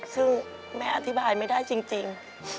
ซึ่งแม่อธิบายไม่ได้จริง